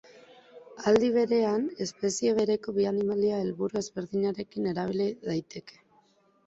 Aldi berean, espezie bereko bi animalia helburu ezberdinekin erabil daiteke.